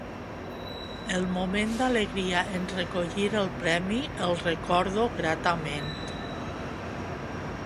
El moment d'alegria en recollir el premi el recordo gratament.